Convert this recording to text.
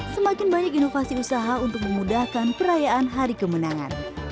semakin banyak inovasi usaha untuk memudahkan perayaan hari kemenangan